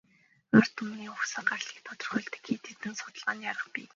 Ард түмний угсаа гарлыг тодорхойлдог хэд хэдэн судалгааны арга бий.